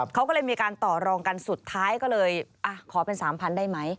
เขาก็เลยมีการต่อรองกันสุดท้ายก็เลยขอเป็น๓๐๐๐ได้ไหม